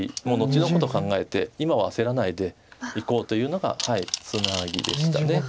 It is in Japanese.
もう後のことを考えて今は焦らないでいこうというのがツナギでした。